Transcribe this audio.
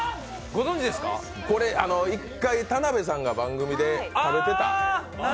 これ１回、田辺さんが番組で食べてた。